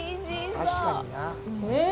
うん！